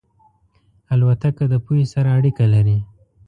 الوتکه د پوهې سره اړیکه لري.